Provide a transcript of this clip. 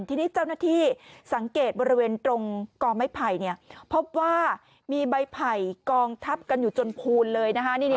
ทีนี้เจ้าหน้าที่สังเกตบริเวณตรงกองไม้ไผ่พบว่ามีใบไผ่กองทับกันอยู่จนพูนเลยนะคะ